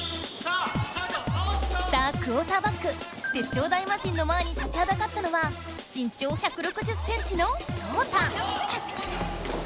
さあクオーターバックテッショウ大魔神の前に立ちはだかったのはしん長１６０ｃｍのソウタ！